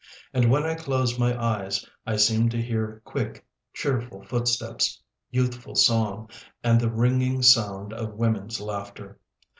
And when I closed my eyes I seemed to hear quick, cheerful footsteps, youthful song, and the ringing sound of women's laughter.